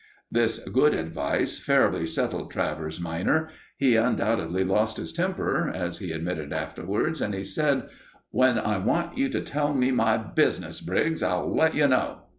This good advice fairly settled Travers minor. He undoubtedly lost his temper, as he admitted afterwards, and he said: "When I want you to tell me my business, Briggs, I'll let you know."